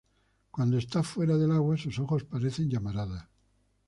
Cuando está fuera del agua sus ojos parecen llamaradas.